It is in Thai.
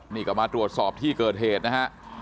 นี่ก็มาตรวจสอบที่เกิดเหตุนะฮะ